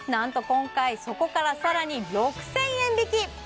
今回そこからさらに６０００円引き！